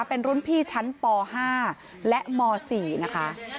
เป็นรุ่นพี่ชั้นป๕และม๔นะคะ